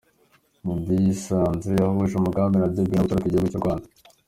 Meddy yisanze ahuje umugabi na The Ben wo gutoroka igihugu cy’u Rwanda.